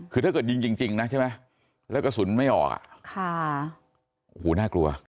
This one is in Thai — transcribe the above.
คือถ้าเกิดยิงจริงนะใช่ไหมแล้วกระสุนไม่ออกอ่ะค่ะโอ้โหน่ากลัว